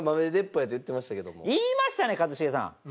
言いましたね一茂さん。